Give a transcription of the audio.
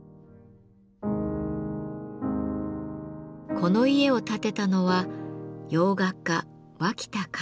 この家を建てたのは洋画家脇田和。